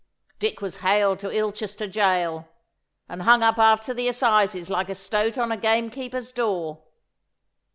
Dick was haled to Ilchester Gaol, and hung up after the assizes like a stoat on a gamekeeper's door.